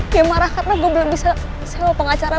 dia marah karena gue belum bisa selap pengacara